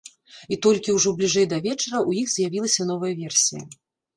І толькі ўжо бліжэй да вечара ў іх з'явілася новая версія.